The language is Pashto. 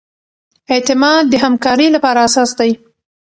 اعتماد د همکارۍ لپاره اساس دی.